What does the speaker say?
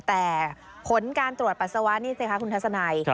แต่ผลการตรวจปัสสาวะนี่สิคะคุณทัศนัย